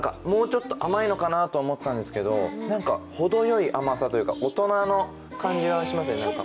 もうちょっと甘いのかなと思ったんですけど、程良い甘さというか、大人の感じがしますね。